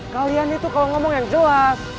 kalian itu kalau ngomong yang jelas